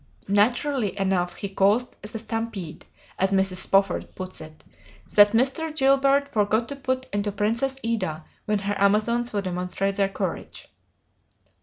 Naturally enough "he caused the stampede," as Mrs. Spofford puts it, "that Mr. Gilbert forgot to put into 'Princess Ida' when her Amazons wild demonstrate their courage."